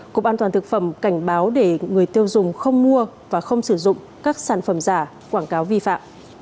cục an toàn thực phẩm cảnh báo để người tiêu dùng không mua và không sử dụng các sản phẩm giả quảng cáo vi phạm